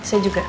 rena saya juga